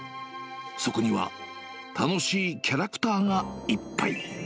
そこには、楽しいキャラクターがいっぱい。